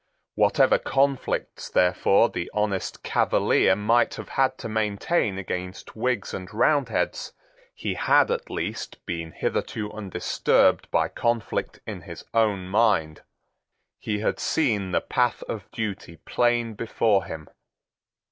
Whatever conflicts, therefore, the honest Cavalier might have had to maintain against Whigs and Roundheads he had at least been hitherto undisturbed by conflict in his own mind. He had seen the path of duty plain before him.